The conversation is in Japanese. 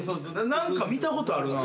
何か見たことあるな。